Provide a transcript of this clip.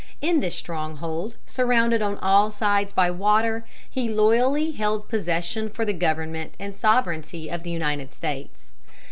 In this stronghold, surrounded on all sides by water, he loyally held possession for the government and sovereignty of the United States.